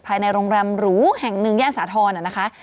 ภายในโรงแรมหรูแห่งหนึ่งย่านสาธรณ์นะคะ